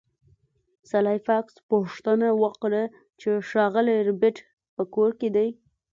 سلای فاکس پوښتنه وکړه چې ښاغلی ربیټ په کور کې دی